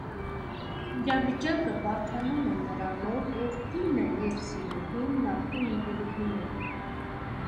Իրավիճակը բարդանում է նրանով, որ կինը և սիրուհին նախկին ընկերուհիներ են։